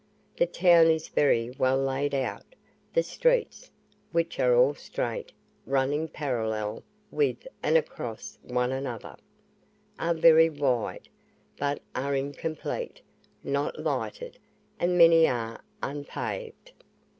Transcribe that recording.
The town is very well laid out; the streets (which are all straight, running parallel with and across one another) are very wide, but are incomplete, not lighted, and many are unpaved.